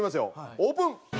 オープン！